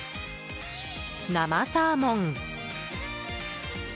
生サーモン。